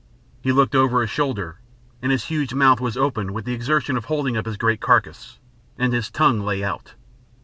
He looked over his shoulder, and his huge mouth was open with the exertion of holding up his great carcase, and his tongue lay out....